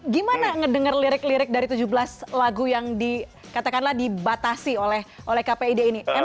gimana ngedenger lirik lirik dari tujuh belas lagu yang dikatakanlah dibatasi oleh kpid ini